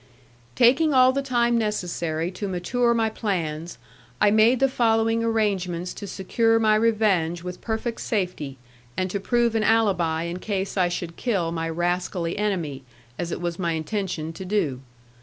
Taking all the time necessary to mature my plans, I made the following arrangements to secure my revenge with perfect safety, and to prove an alibi in case I should kill my rascally enemy, as it was my intention to do.